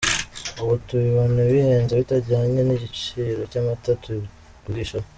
Ubu tubibona bihenze bitajyanye n’igiciro cy’amata tugurishaho.